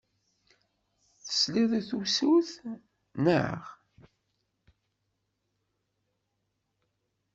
Teslid i tusut, naɣ?